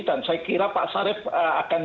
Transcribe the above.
dan saya kira pak sarif akan